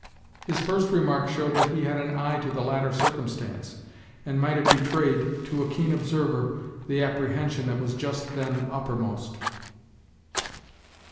His first remark showed that he had an eye to the latter circumstance, and might have betrayed, to a keen observer, the apprehension that was just then uppermost.